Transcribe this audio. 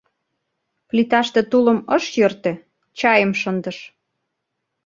Плиташте тулым ыш йӧртӧ, чайым шындыш.